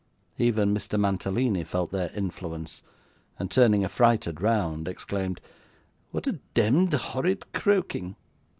Even Mr. Mantalini felt their influence, and turning affrighted round, exclaimed: 'What a demd horrid croaking!